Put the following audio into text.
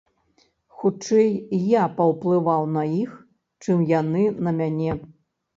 Хутчэй, я паўплываў на іх, чым яны на мяне.